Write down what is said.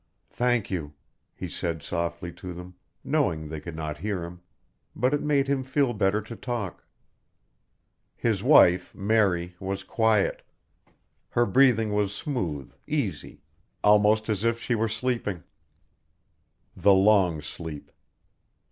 "Thank you," he said softly to them, knowing they could not hear him. But it made him feel better to talk. His wife, Mary, was quiet. Her breathing was smooth, easy almost as if she were sleeping. _The long sleep.